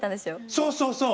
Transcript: そうそうそう。